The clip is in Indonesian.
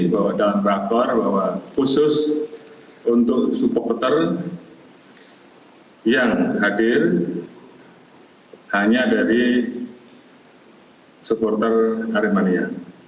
bahwa dalam traktor bahwa khusus untuk supporter yang hadir hanya dari supporter aremania